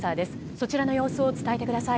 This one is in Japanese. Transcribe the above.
そちらの様子を伝えてください。